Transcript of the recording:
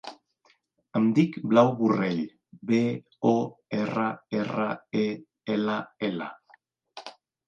Em dic Blau Borrell: be, o, erra, erra, e, ela, ela.